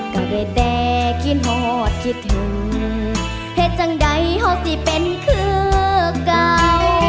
ก็ได้แต่กินโหดคิดถึงเหตุจังใดหอสิเป็นคือเก่า